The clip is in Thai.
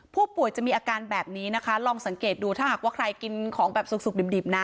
ผู้ป่วยจะมีอาการแบบนี้ลองสังเกตดูถ้าใครกินของแบบสูบเดียบนะ